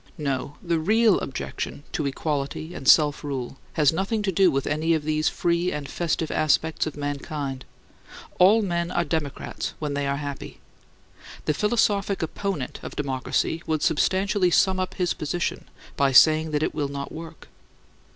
No; the real objection to equality and self rule has nothing to do with any of these free and festive aspects of mankind; all men are democrats when they are happy. The philosophic opponent of democracy would substantially sum up his position by saying that it "will not work."